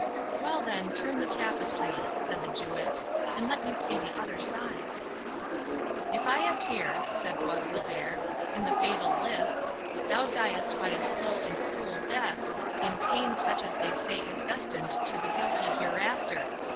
"Well, then, turn the tapestry," said the Jewess, "and let me see the other side." "If I appear," said Bois Guilbert, "in the fatal lists, thou diest by a slow and cruel death, in pain such as they say is destined to the guilty hereafter.